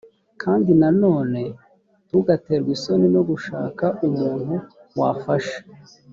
ikindi nanone ntugaterwe isoni no gushaka umuntu wafasha